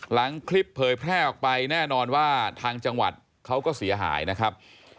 หลังคลิปเผยแพร่ออกไปแน่นอนว่าทางจังหวัดเขาก็เสียหายนะครับ